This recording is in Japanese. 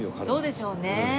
そうでしょうね。